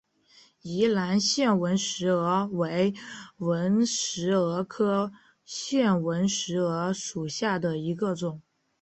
宜兰腺纹石娥为纹石蛾科腺纹石蛾属下的一个种。